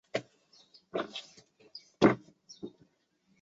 皆不赴。